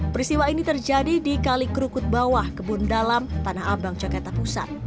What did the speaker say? perisiwa ini terjadi di kalikrukut bawah kebun dalam tanah abang jakarta pusat